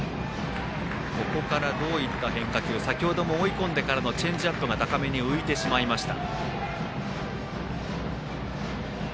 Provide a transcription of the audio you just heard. どういった変化球先ほども追い込んでからのチェンジアップが高めに浮いてしまいました。